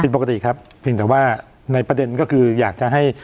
ปกติครับเพียงแต่ว่าในประเด็นก็คืออยากจะให้